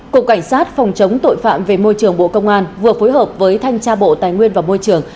cục cảnh sát phòng chống tội phạm về môi trường bộ công an vừa phối hợp với thanh tra bộ tài nguyên và môi trường